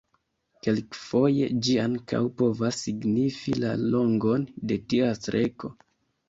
Kelkfoje ĝi ankaŭ povas signifi la longon de tia streko.